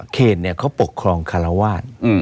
เขตเขาปกครองคารวาส